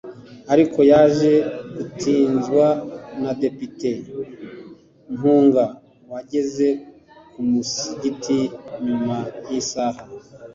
ariko yaje gutinzwa na depite Mpuuga wageze ku musigiti nyuma y’isaha